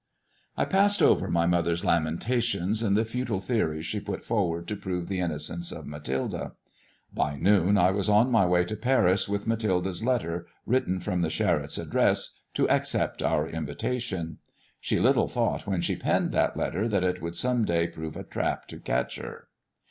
I pass over my mother's lamentations and the futile theories she put forward to prove the innocence of Ma thilde. By noon I was on my way to Paris with Mathilda's letter, written from the Charettes' address to accept our invitation. She little thought when she penned that letter that it would some day prove a trap to catch her.